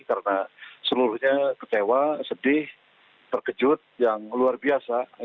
karena seluruhnya kecewa sedih terkejut yang luar biasa